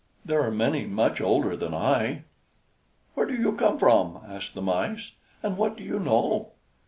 "There are many much older than I." "Where do you come from?" asked the Mice. "And what do you know?"